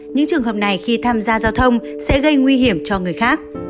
những trường hợp này khi tham gia giao thông sẽ gây nguy hiểm cho người khác